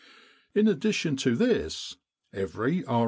In addition to this, every R.